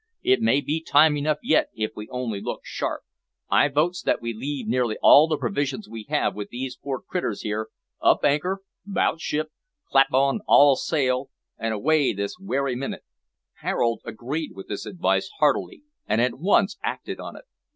It may be time enough yet if we only look sharp. I votes that we leave nearly all the provisions we have with these poor critters here; up anchor, 'bout ship, clap on all sail, and away this werry minit." Harold agreed with this advice heartily, and at once acted on it.